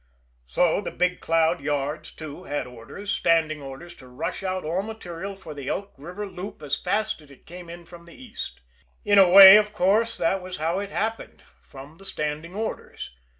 So the Big Cloud yards, too, had orders standing orders to rush out all material for the Elk River loop as fast as it came in from the East. In a way, of course, that was how it happened from the standing orders.